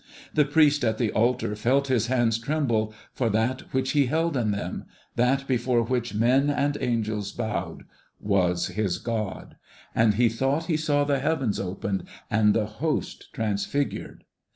The priest at the altar felt his hands tremble, for that which he held in them that before which men and archangels bowed was his God; and he thought he saw the heavens opened and the Host transfigured.